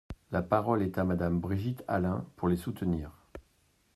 La parole est à Madame Brigitte Allain, pour les soutenir.